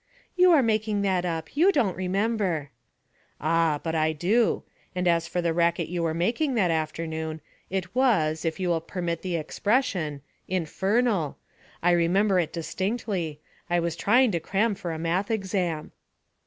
'You are making that up. You don't remember.' 'Ah, but I do! And as for the racket you were making that afternoon, it was, if you will permit the expression, infernal. I remember it distinctly; I was trying to cram for a math. exam.'